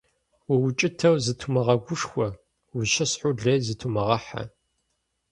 УукӀытэу зытумыгъэгушхуэ, ущысхьу лей зытумыгъэхьэ.